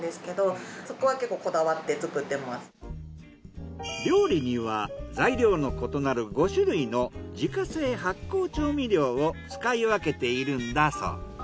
うち料理には材料の異なる５種類の自家製発酵調味料を使い分けているんだそう。